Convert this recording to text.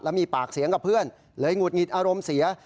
มีปากเสียงกับเพื่อนเลยหงุดหงิดอารมณ์เสีย